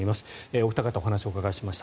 お二方にお話を伺いました。